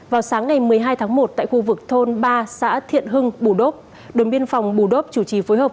vào sáng ngày một mươi hai tháng một tại khu vực thôn ba xã thiện hưng bù đốc đồn biên phòng bù đốc chủ trì phối hợp